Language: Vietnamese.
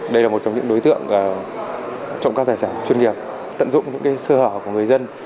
đây là một trong những đối tượng trộm cắp tài sản chuyên nghiệp tận dụng những sơ hở của người dân